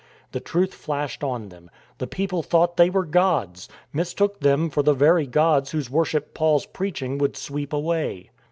The truth flashed on them. The people thought they were gods — mistook them for the very gods whose worship Paul's preaching would sweep away.